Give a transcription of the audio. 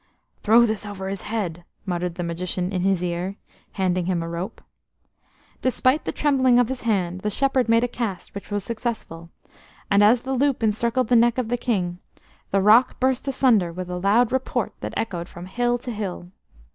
"Throw this over his head," muttered the magician in his ear, handing him a rope. Despite the trembling of his hand, the shepherd made a cast which was successful, and as the loop encircled the neck of the King, the rock burst asunder with a loud report that echoed from hill to hill.